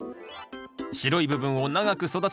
白い部分を長く育てる方法